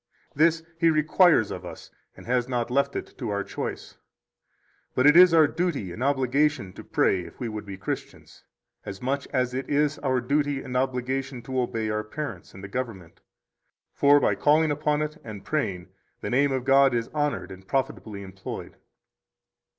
This He requires of us, and has not left it to our choice. But it is our duty and obligation to pray if we would be Christians, as much as it is our duty and obligation to obey our parents and the government; for by calling upon it and praying the name of God is honored and profitably employed.